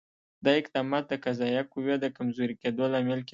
دا اقدامات د قضایه قوې د کمزوري کېدو لامل کېدل.